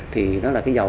thì đó là cái dầu